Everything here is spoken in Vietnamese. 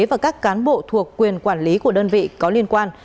và các cán bộ thuộc quyền quản lý của đơn vị có liên quan